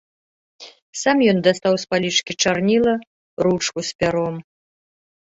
Сам ён дастаў з палічкі чарніла, ручку з пяром.